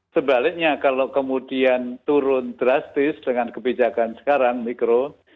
sebaliknya kalau kemudian turun drastis dengan kebijakan sekarang mikro